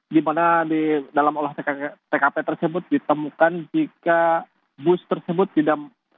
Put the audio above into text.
di mana di dalam olah tkp tersebut ditemukan jika bus tersebut tidak